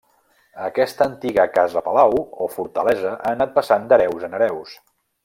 Aquesta antiga casa-palau o fortalesa ha anat passant d'hereus en hereus.